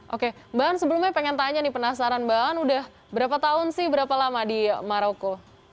oke mbak aan sebelumnya pengen tanya nih penasaran mbak aan udah berapa tahun sih berapa lama di maroko